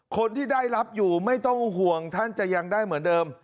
คนที่ได้รับอยู่ไม่ต้องห่วงท่านจะยังได้เหมือนเดิม